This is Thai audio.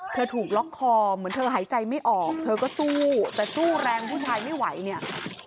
ถูกล็อกคอเหมือนเธอหายใจไม่ออกเธอก็สู้แต่สู้แรงผู้ชายไม่ไหวเนี่ย